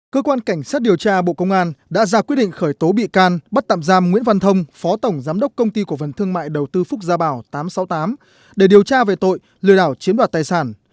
cơ quan cảnh sát điều tra bộ công an đã ra quyết định khởi tố bị can bắt tạm giam nguyễn văn thông phó tổng giám đốc công ty cổ phần thương mại đầu tư phúc gia bảo tám trăm sáu mươi tám để điều tra về tội lừa đảo chiếm đoạt tài sản